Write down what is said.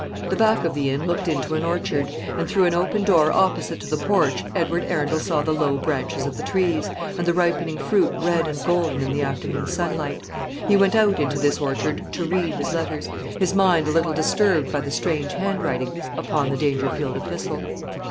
The back of the inn looked into an orchard, and through an open door opposite to the porch Edward Arundel saw the low branches of the trees, and the ripening fruit red and golden in the afternoon sunlight. He went out into this orchard to read his letters, his mind a little disturbed by the strange handwriting upon the Dangerfield epistle.